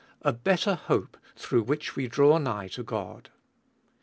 A BETTER HOPE, THROUGH WHICH WE DRAW NIGH TO GOD.